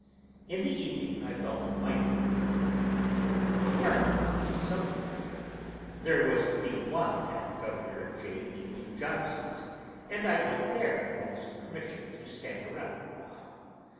In the evening I felt a mighty inclination to go to a party somewhere. There was to be one at Governor J. Neely Johnson's, and I went there and asked permission to stand around a while.